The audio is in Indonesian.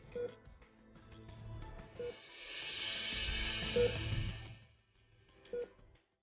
pasti ber straw